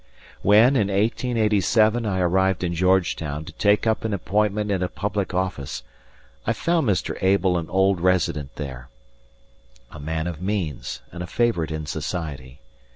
When, in 1887, I arrived in Georgetown to take up an appointment in a public office, I found Mr. Abel an old resident there, a man of means and a favourite in society.